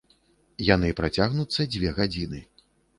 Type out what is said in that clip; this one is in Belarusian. Яны працягнуцца дзве гадзіны.